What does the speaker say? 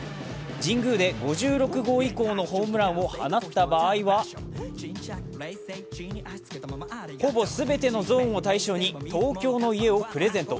神宮で５６号以降のホームランを放った場合はほぼ全てのゾーンを対象に東京の家をプレゼント。